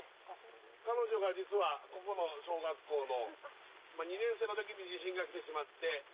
彼女が実はここの小学校の２年生の時に地震が来てしまって。